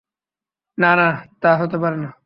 না, না, তা হতে পারে না।